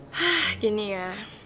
hah gini ya